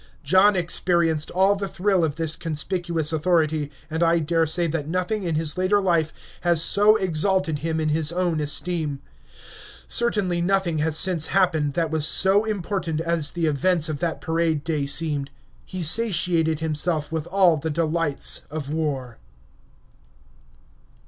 John experienced all the thrill of this conspicuous authority, and I daresay that nothing in his later life has so exalted him in his own esteem; certainly nothing has since happened that was so important as the events of that parade day seemed. He satiated himself with all the delights of war.